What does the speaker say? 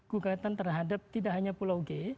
gugatan terhadap tidak hanya pulau g